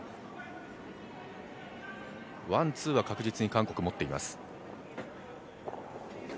ワン、ツーは確実に韓国、持っています。